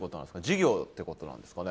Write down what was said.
事業ってことなんですかね？